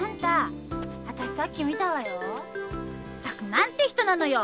何て人なのよ。